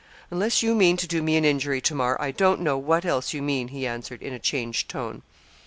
'Unless you mean to do me an injury, Tamar, I don't know what else you mean,' he answered, in a changed tone.